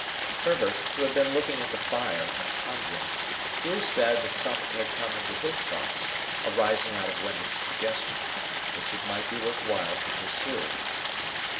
Herbert, who had been looking at the fire and pondering, here said that something had come into his thoughts arising out of Wemmick's suggestion, which it might be worth while to pursue.